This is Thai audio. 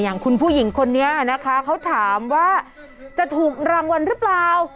อย่างคุณผู้หญิงคนนี้นะคะเขาถามว่าจะถูกรางวัลหรือเปล่า